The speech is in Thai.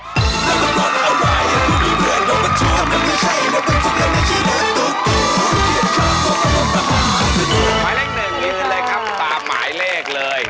หมายเลขหนึ่งยืนเลยครับตามหมายเลขเลย